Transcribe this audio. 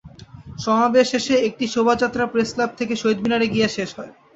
সমাবেশ শেষে একটি শোভাযাত্রা প্রেসক্লাব থেকে শহীদ মিনারে গিয়ে শেষ হয়।